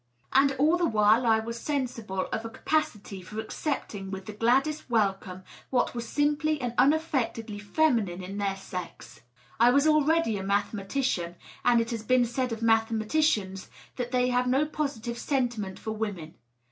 And all the while I was sensible of a ca pacity for accepting with the gladdest welcome what was simply and unaffectedly feminine in their sex. I was already a mathematician, and it has been said of mathematicians that they have no positive sen timent for women.